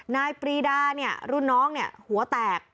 นายปรีดารุ่นน้องหัวแตก